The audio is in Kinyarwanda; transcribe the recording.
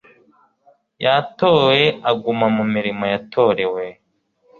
yatowe aguma mu mirimo yatorewe